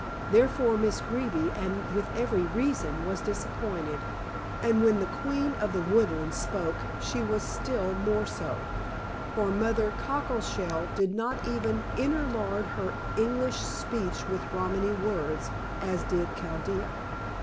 Therefore Miss Greeby, and with every reason, was disappointed, and when the queen of the woodland spoke she was still more so, for Mother Cockleshell did not even interlard her English speech with Romany words, as did Chaldea.